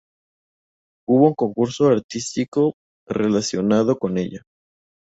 Hubo un concurso artístico a relacionado con ella.